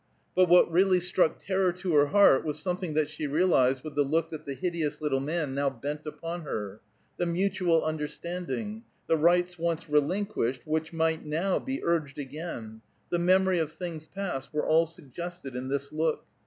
But what really struck terror to her heart was something that she realized with the look that the hideous little man now bent upon her: the mutual understanding; the rights once relinquished which might now be urged again; the memory of things past, were all suggested in this look.